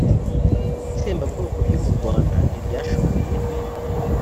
itsembabwoko ryo mu rwanda ntiryashoboye